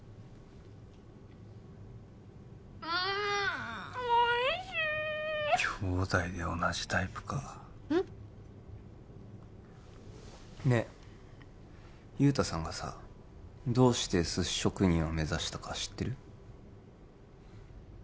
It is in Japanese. うんおいしい姉弟で同じタイプかうん？ねえ雄太さんがさどうして寿司職人を目指したか知ってる？